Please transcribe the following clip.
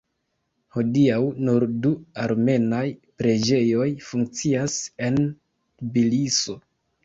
Hodiaŭ nur du armenaj preĝejoj funkcias en Tbiliso.